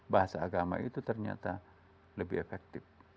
bahasa agama itu ternyata lebih efektif